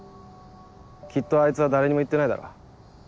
きっとあいつは誰にも言ってないだろう。